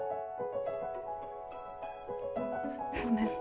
ごめん。